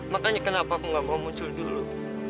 makanya kenapa aku gak mau muncul dulu